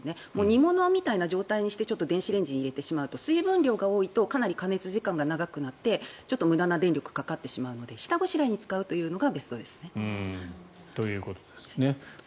煮ものみたいな状態にしてちょっと電子レンジに入れると水分量が多いとかなり加熱時間が長くなって無駄な電力がかかるので下ごしらえに使うのがベストです。ということです。